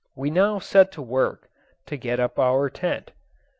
We now set to work to get up our tent.